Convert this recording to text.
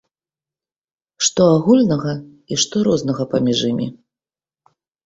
Што агульнага і што рознага паміж імі?